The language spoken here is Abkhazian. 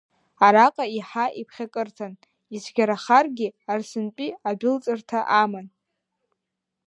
Араҟа еиҳа иԥхьакырҭан, ицәгьарахаргьы арсынтәи адәылҵырҭа аман.